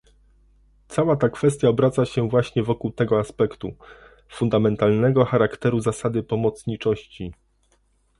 Cała ta kwestia obraca się właśnie wokół tego aspektu - fundamentalnego charakteru zasady pomocniczości